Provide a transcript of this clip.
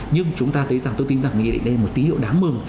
nhưng chúng ta thấy rằng tôi tin rằng nghị định này là một tí hiệu đáng mừng